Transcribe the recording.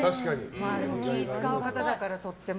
気を遣う方だから、とっても。